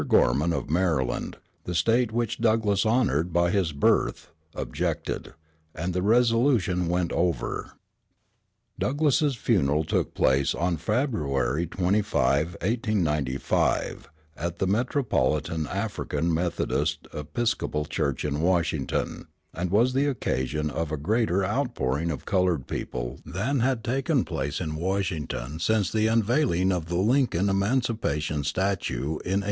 Gorman, of Maryland, the State which Douglass honored by his birth, objected; and the resolution went over. Douglass's funeral took place on February 25, 1895, at the Metropolitan African Methodist Episcopal Church in Washington, and was the occasion of a greater outpouring of colored people than had taken place in Washington since the unveiling of the Lincoln emancipation statue in 1878.